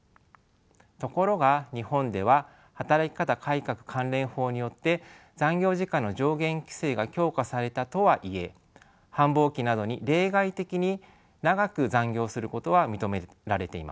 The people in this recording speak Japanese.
ところが日本では働き方改革関連法によって残業時間の上限規制が強化されたとはいえ繁忙期などに例外的に長く残業をすることは認められています。